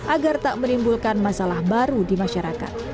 agar tak menimbulkan masalah baru di masyarakat